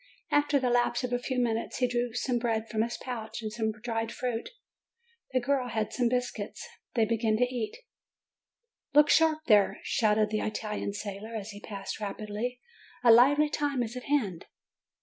After the lapse of a few minutes, he drew some bread from his pouch, and some dried fruit; the girl had some biscuits : they began to eat. "Look sharp there!" shouted the Italian sailor, as he passed rapidly; "a lively time is at hand!"